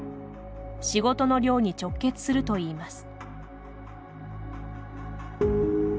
仕事の量に直結するといいます。